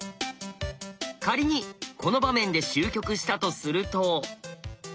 仮にこの場面で終局したとすると。